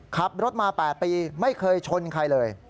ขับรถมา๘ปีไม่เคยชนใครเลย